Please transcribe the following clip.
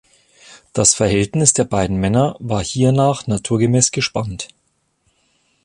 Das Verhältnis der beiden Männer war hiernach naturgemäß gespannt.